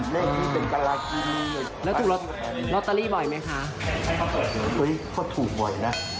เราก็ออกมากคุณอ๋อบ่อย